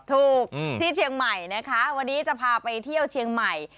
ถูกที่เชียงใหม่นะคะวันนี้จะพาไปเที่ยวเชียงใหม่